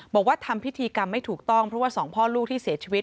บอกว่าทำพิธีกรรมไม่ถูกต้องเพราะว่าสองพ่อลูกที่เสียชีวิต